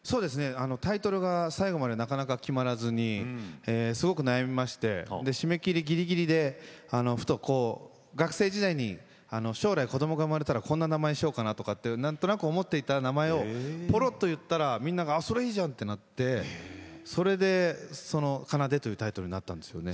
タイトルが最後までなかなか決まらずにすごく悩みまして締め切りぎりぎりでふと学生時代に将来、子どもが産まれたらこんな名前にしようかなってなんとなく思っていた名前をぽろっといった名前をみんなが、それいいじゃん！ってなってそれで「奏」というタイトルになったんですよね。